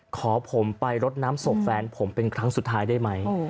ขอผมไปรดน้ำศพแฟนผมเป็นครั้งสุดท้ายได้ไหม